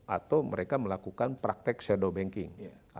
atau mereka melakukan praktek shadow banking